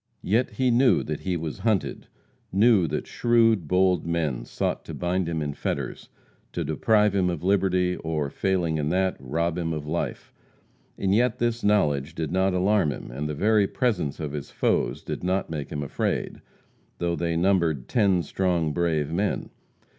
Yet he knew that he was hunted, knew that shrewd, bold men sought to bind him in fetters, to deprive him of liberty, or, failing in that, rob him of life. And yet this knowledge did not alarm him, and the very presence of his foes did not make him afraid, though they numbered "ten strong, brave men."